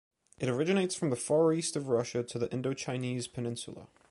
It originates from the far east of Russia to the Indochinese Peninsula.